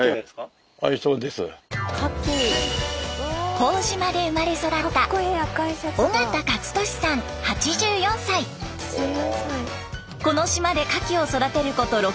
朴島で生まれ育ったこの島でカキを育てること６９年。